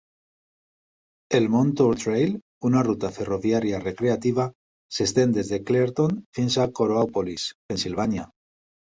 El Montour Trail, una ruta ferroviària recreativa, s'estén des de Clairton fins a Coraopolis, Pennsylvania.